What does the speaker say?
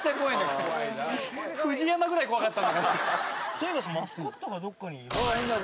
そういえばさマスコットがどっかにいるって。